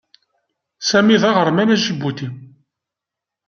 Sami d aɣerman aǧibuti.